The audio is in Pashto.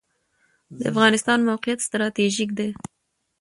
د افغانستان موقعیت ستراتیژیک دی